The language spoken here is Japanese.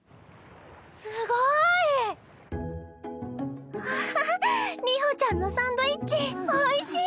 すごい！わあ流星ちゃんのサンドイッチおいしい！